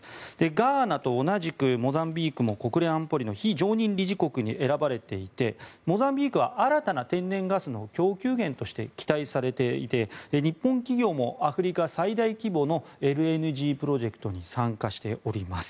ガーナと同じくモザンビークも国連安保理の非常任理事国に選ばれていて、モザンビークは新たな天然ガスの供給源として期待されていて日本企業もアフリカ最大規模のＬＮＧプロジェクトに参加しております。